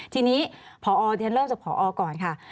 ทีนี้พอเริ่มจากพอก่อนค่ะ